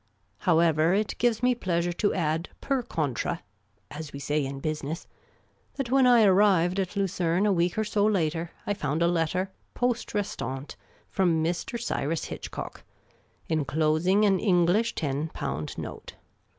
However, it gives me pleasure to vAAper contra (as we say in business) that when I arrived at Lucerne a week or so later I found a letter, poste rcstantc, from Mr. The Amateur Commission A<a'nt 103 Cyrus Hitchcock, inclosing an Knglish ten pound note.